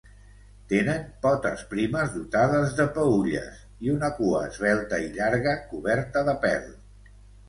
Tenen potes primes dotades de peülles i una cua esvelta i llarga, coberta de pèl.